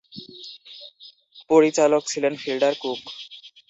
পরিচালক ছিলেন Fielder cook.